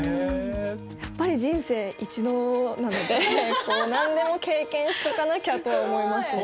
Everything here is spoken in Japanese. やっぱり人生一度なので何でも経験しとかなきゃと思いますね。